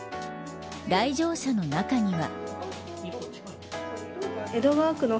来場者の中には。